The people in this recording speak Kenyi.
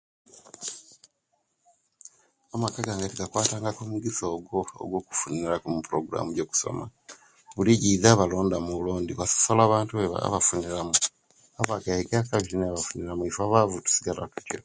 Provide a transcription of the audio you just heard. Amaka gange tegakwatangaku omugisa ogwo egwo'kufuniraku omu puroguramu gyo'kusoma buli egiza balondamu bulondo basosola abantu abafuniramu abagaiga kabiri nobo abafuniramu ife abaavu tusigala tutyo